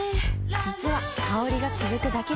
実は香りが続くだけじゃない